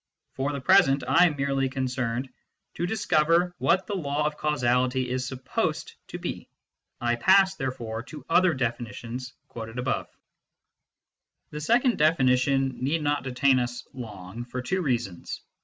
For the present, I am merely concerned to discover what the law of causality is supposed to be. I pass, therefore, to the other definitions quoted above. 184 MYSTICISM AND LOGIC The second definition need not detain us long, for two reasons.